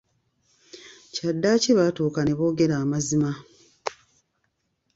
Kyaddaaki baatuuka n'eboogera amazima.